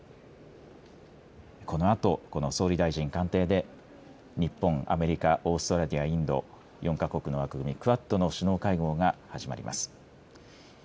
このあとこの総理大臣官邸で、日本、アメリカ、オーストラリア、インド、４か国の枠組み、クアッドの首脳会合が始まります。